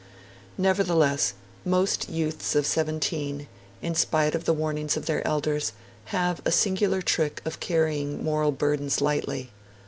Nevertheless most youths of seventeen, in spite of the warnings of their elders, have a singular trick of carrying moral burdens lightly.